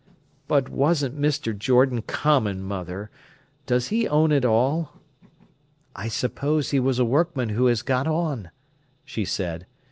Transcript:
"But wasn't Mr. Jordan common, mother? Does he own it all?" "I suppose he was a workman who has got on," she said.